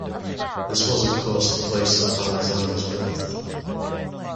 This was, of course, the place of Alexandra's birth.